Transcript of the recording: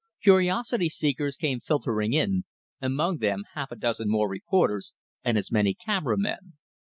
Curiosity seekers came filtering in, among them half a dozen more reporters, and as many camera men.